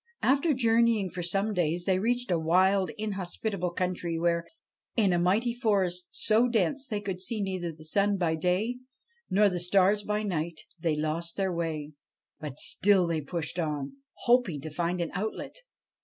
After journeying for some days, they reached a wild, inhospitable country, where, in a mighty forest so dense they could see neither the sun by day nor the stars by night, they lost their way. But still 97 BASHTCHELIK they pushed on, hoping to find an outlet.